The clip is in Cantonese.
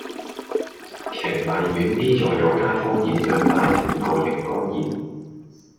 瓊麗苑 B 座有街坊染上大鼠戊型肝炎